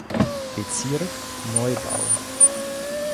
Bezirk Neubau.